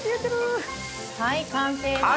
はい完成です。